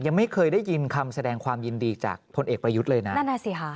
ยังไม่เคยได้ยินคำแสดงความยินดีจากทนเอกประยุจเลยนะ